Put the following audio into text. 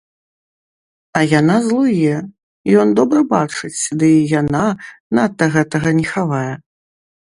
А яна злуе, ён добра бачыць, ды і яна надта гэтага не хавае.